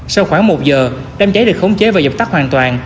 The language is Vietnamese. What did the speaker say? sau khoảng một giờ đám cháy được khống chế và dập tắt hoàn toàn